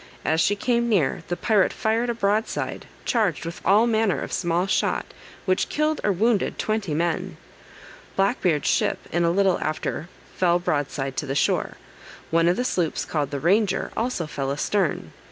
As she came near, the pirate fired a broadside, charged with all manner of small shot, which killed or wounded twenty men. Black Beard's ship in a little after fell broadside to the shore; one of the sloops called the Ranger, also fell astern.